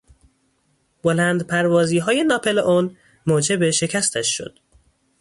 بلند پروازیهای ناپلئون موجب شکستش شد.